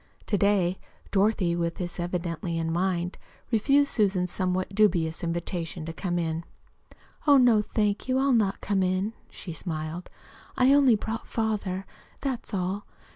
To day Dorothy, with this evidently in mind, refused Susan's somewhat dubious invitation to come in. "Oh, no, thank you, I'll not come in," she smiled. "I only brought father, that's all.